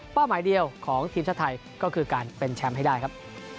หมายเดียวของทีมชาติไทยก็คือการเป็นแชมป์ให้ได้ครับ